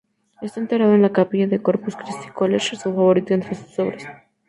Está enterrado en la capilla del Corpus Christi College, su favorito entre sus obras.